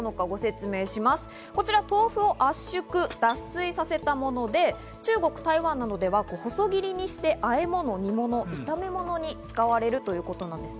豆腐を圧縮、脱水させたもので、中国、台湾などでは細切りにして和え物、煮物、炒め物に使われるということなんです。